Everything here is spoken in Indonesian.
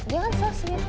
dia kan sos ya